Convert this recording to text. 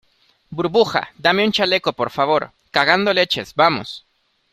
burbuja, dame un chaleco , por favor. cagando leches , vamos .